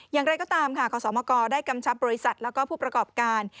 อย่างไรก็ตามค่ะขอสมกได้กำชับบริษัทแล้วก็ผู้ประกอบการ